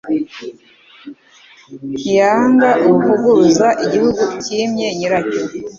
Ntiyanga ubuvuguruza igihugu cyimye nyiracyo